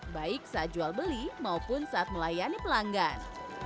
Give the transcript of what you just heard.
baik saat jual beli maupun saat melayani pelanggan